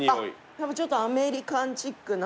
あっちょっとアメリカンチックな。